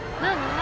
何？